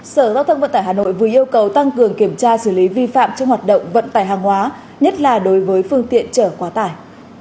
sở giao thông vận tải hà nội vừa yêu cầu tăng cường kiểm tra xử lý vi phạm trong hoạt động vận tải hàng hóa nhất là đối với phương tiện trở quá tải